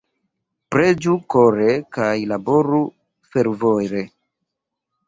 Preĝu kore kaj laboru fervore.